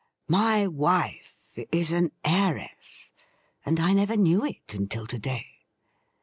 My wife is an heiress, and I never knew it until to day.'